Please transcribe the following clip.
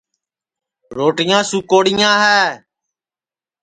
روٹِیاں سُوکوڑیاں ہے